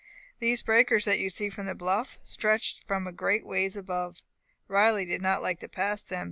These breakers that you see from the bluff, stretch from a great ways above. Riley did not like to pass them.